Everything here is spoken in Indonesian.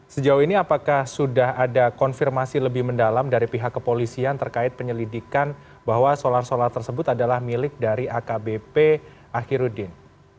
sejauh ini apakah sudah ada konfirmasi lebih mendalam dari pihak kepolisian terkait penyelidikan bahwa solar solar tersebut adalah milik dari akbp akhirudin